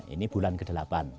ini bulan ke delapan